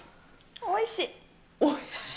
おいしい！